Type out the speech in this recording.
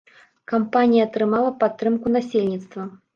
Кампанія атрымала падтрымку насельніцтва.